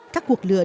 các cuộc lượn